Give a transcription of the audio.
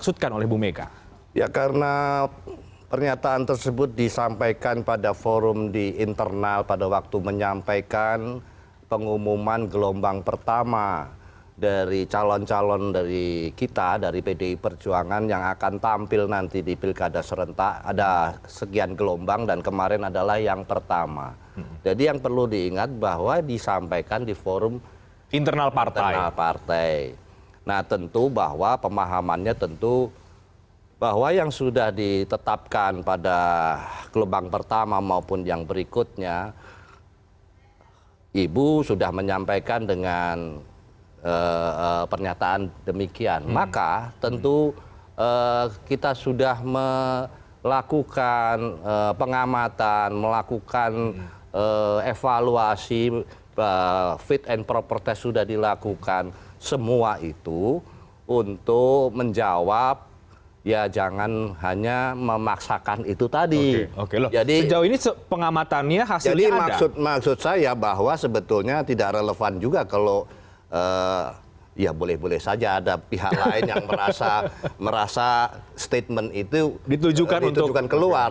juga kalau ya boleh boleh saja ada pihak lain yang merasa statement itu ditujukan keluar